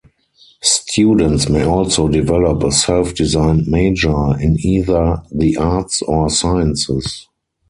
Students may also develop a self-designed major in either the arts or sciences.